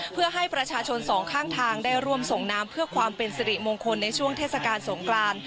เพื่อให้ประชาชนสองข้างทางได้ร่วมส่งน้ำเพื่อความเป็นสิริมงคลในช่วงเทศกาลสงกราน